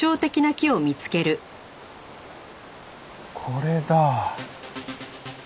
これだ。